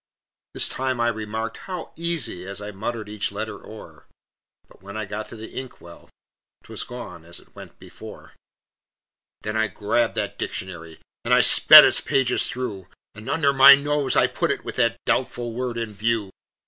This time I remarked, "How easy!" As I muttered each letter o'er, But when I got to the inkwell 'Twas gone, as it went before. Then I grabbed that dictionary And I sped its pages through, And under my nose I put it With that doubtful word in view.